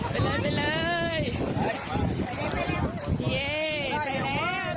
พร้อมทำพร้อมทำอย่าเก็บมันมาตรงนู้น